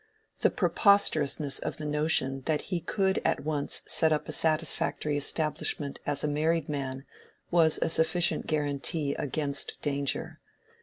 The preposterousness of the notion that he could at once set up a satisfactory establishment as a married man was a sufficient guarantee against danger.